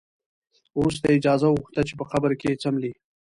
وروسته یې اجازه وغوښته چې په قبر کې څملي.